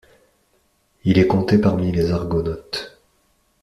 Il est compté parmi les Argonautes.